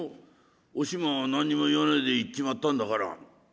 おしまは何にも言わねえで逝っちまったんだから」。